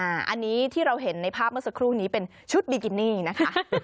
อันนี้ที่เราเห็นในภาพเมื่อสักครู่นี้เป็นชุดบิกินี่นะคะ